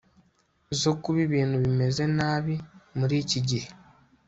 zo kuba ibintu bimeze nabi muri iki gihe